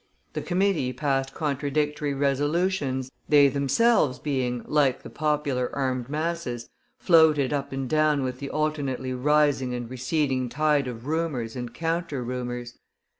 The committee passed contradictory resolutions, they themselves being, like the popular armed masses, floated up and down with the alternately rising and receding tide of rumors and counter rumors.